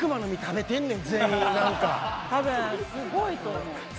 すごいと思う。